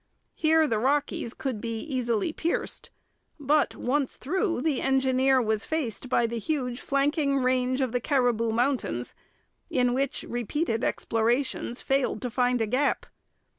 Here the Rockies could be easily pierced; but once through the engineer was faced by the huge flanking range of the Cariboo Mountains, in which repeated explorations failed to find a gap.